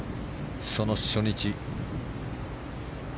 その初日。